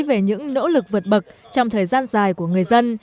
về những nỗ lực vượt bậc trong thời gian dài của người dân